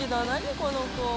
この子。